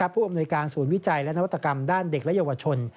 ผู้อำนวยการศูนย์วิจัยและนวัตกรรมด้านเด็กและเยาวชน